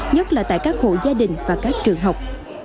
nhất là tại các hộ gia đình và các trường học